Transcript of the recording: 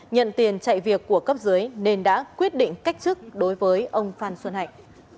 nhận tiền chạy việc của cấp dưới nên đã quyết định cách chức đối với ông phan xuân hạnh